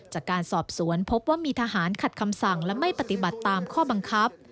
จากการสอบสวนพบว่ามีทหารขัดคำสั่งและไม่ปฏิบัติตามข้อบังคับ